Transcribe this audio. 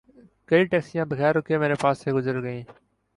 کئی ٹیکسیاں بغیر رکے میر پاس سے گزر گئیں